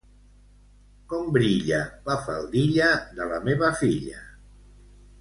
Com brilla, la faldilla de la meva filla!